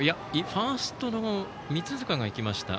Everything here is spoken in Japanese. ファーストの三塚が行きました。